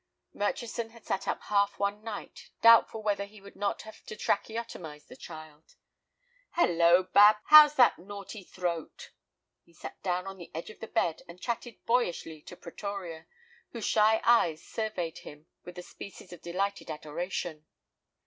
Murchison had sat up half one night, doubtful whether he would not have to tracheotomize the child. "Hallo, Babs, how's that naughty throat?" He sat down on the edge of the bed and chatted boyishly to Pretoria, whose shy eyes surveyed him with a species of delighted adoration.